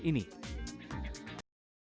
bagaimana cara ini